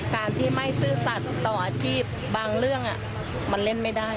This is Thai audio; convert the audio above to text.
การที่ไม่ซื่อสัตว์ต่ออาชีพบางเรื่องมันเล่นไม่ได้